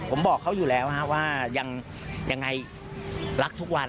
ผมบอกเขาอยู่แล้วว่ายังไงรักทุกวัน